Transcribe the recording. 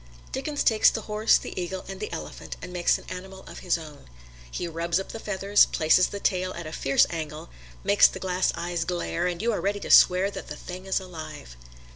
Dickens takes the horse, the eagle and the elephant and makes an animal of his own. He rubs up the feathers, places the tail at a fierce angle, makes the glass eyes glare, and you are ready to swear that the thing is alive.